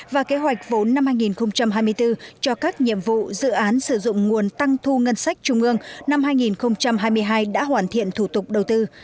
và kế hoạch vốn năm hai nghìn hai mươi bốn cho các nhiệm vụ dự án sử dụng nguồn tăng thu ngân sách trung ương năm hai nghìn hai mươi hai đã hoàn thiện thủ tục đầu tư